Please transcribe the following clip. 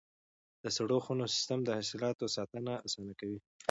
د سړو خونو سیستم د حاصلاتو ساتنه اسانه کوي.